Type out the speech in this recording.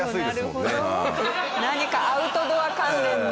何かアウトドア関連の。